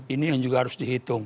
ini yang juga harus dihitung